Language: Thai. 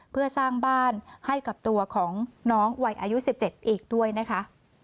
เพื่อสร้างบ้านให้กับตัวของน้องวัยอายุ๑๗อีกด้วยนะคะ